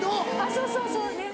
そうそうそうねっ。